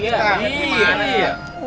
iya muntah hari